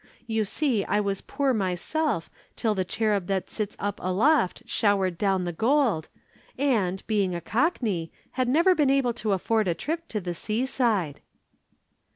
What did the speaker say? You see I was poor myself till The Cherub That Sits Up Aloft showered down the gold, and, being a Cockney, had never been able to afford a trip to the seaside."